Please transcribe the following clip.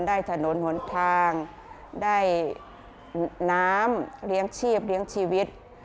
ได้ถนนหนทางได้น้ำเลี้ยงชีพเลี้ยงชีวิต